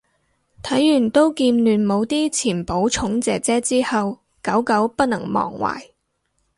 睇完刀劍亂舞啲前寶塚姐姐之後久久不能忘懷